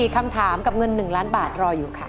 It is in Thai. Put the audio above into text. คำถามกับเงิน๑ล้านบาทรออยู่ค่ะ